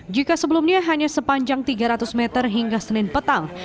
jika sebelumnya hanya sepanjang tiga ratus meter hingga senin petang